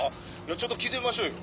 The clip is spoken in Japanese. ちょっと聞いてみましょうよ」